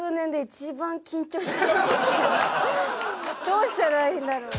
どうしたらいいんだろ。